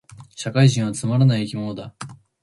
社会人はつまらない生き物だ